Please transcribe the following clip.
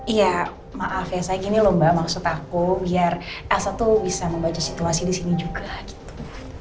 ya maaf ya saya gini loh mbak maksud aku biar elsa tuh bisa membaca situasi disini juga gitu